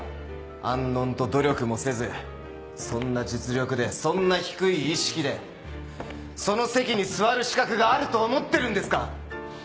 安穏と努力もせずそんな実力でそんな低い意識でその席に座る資格があると思ってるんですか？